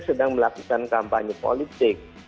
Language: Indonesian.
sedang melakukan kampanye politik